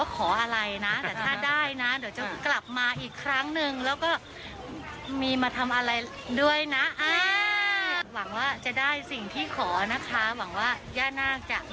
ขอญาณาคไว้ด้วยเอาแล้วอ่ะแต่ไม่บอกว่าขออะไรนะ